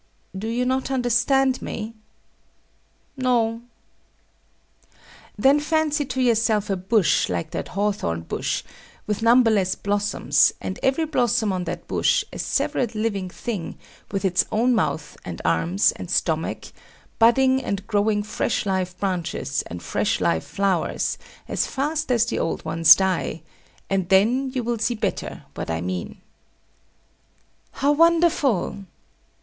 Do you not understand me? No. Then fancy to yourself a bush like that hawthorn bush, with numberless blossoms, and every blossom on that bush a separate living thing, with its own mouth, and arms, and stomach, budding and growing fresh live branches and fresh live flowers, as fast as the old ones die: and then you will see better what I mean. How wonderful!